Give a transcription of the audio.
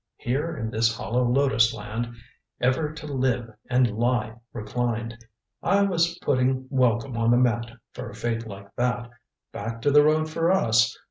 Here in this hollow lotus land, ever to live and lie reclined I was putting welcome on the mat for a fate like that. Back to the road for us.